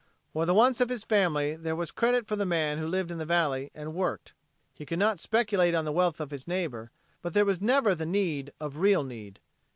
For the wants of his family there was credit for the man who lived in the valley and worked. He could not speculate on the wealth of his neighbor, but there was never the need of a real need.